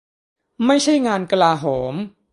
ไม่ใช่งานกลาโหม